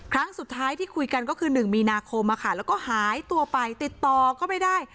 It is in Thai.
ครั้งสุดท้ายที่คุยกันก็คือ๑มีนาคมแล้วก็หายตัวไปติดต่อก็ไม่ได้